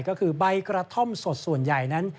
ก็คือใบกระท่อมสดส่วนใหญ่นั้น